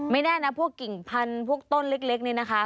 แน่นะพวกกิ่งพันธุ์พวกต้นเล็กนี่นะคะ